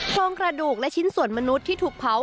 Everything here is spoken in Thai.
โครงกระดูกและชิ้นส่วนมนุษย์ที่ถูกเผา